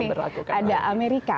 jadi begini ada amerika